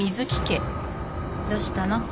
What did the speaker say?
どうしたの？